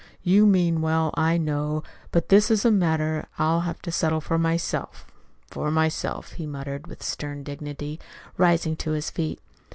You mean well, I know; but this is a matter that I shall have to settle for myself, for myself," he muttered with stern dignity, rising to his feet.